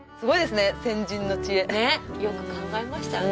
ねえよく考えましたよね。